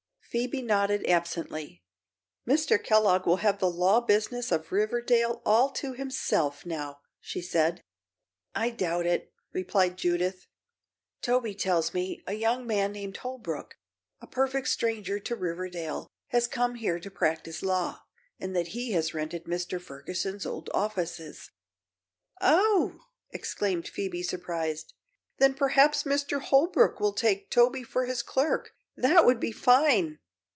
Phoebe nodded, absently. "Mr. Kellogg will have the law business of Riverdale all to himself, now," she said. "I doubt it," replied Judith. "Toby tells me a young man named Holbrook, a perfect stranger to Riverdale, has come here to practice law, and that he has rented Mr. Ferguson's old offices." "Oh!" exclaimed Phoebe, surprised. "Then perhaps Mr. Holbrook will take Toby for his clerk. That would be fine!"